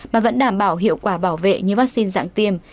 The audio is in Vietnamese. mà vẫn đảm bảo hiệu quả bảo vệ như vaccine dạng tiêm